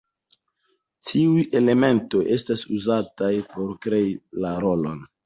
Tiuj elementoj estas uzataj por krei la rolon.